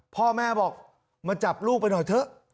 พ่อแม่บอกมาจับลูกไปหน่อยเถอะ